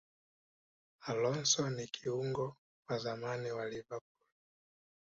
alonso ni kiungo wa zamani wa liverpool